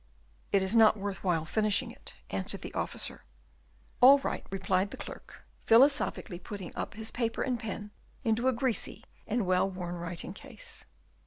"It is not worth while finishing it," answered the officer. "All right," replied the clerk, philosophically putting up his paper and pen into a greasy and well worn writing case.